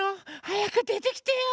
はやくでてきてよ。